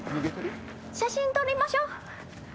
写真撮りましょう。